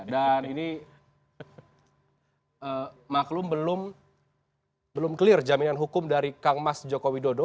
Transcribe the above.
dan ini maklum belum clear jaminan hukum dari kang mas joko widodo